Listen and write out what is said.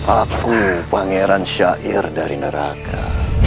aku pangeran syair dari neraka